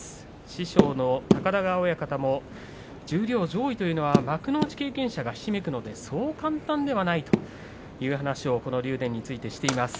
師匠の高田川親方も十両上位というのは幕内経験者がひしめくのでそう簡単ではないという話をこの竜電についてしています。